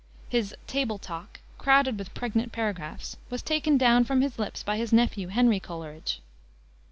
His Table Talk crowded with pregnant paragraphs was taken down from his lips by his nephew, Henry Coleridge.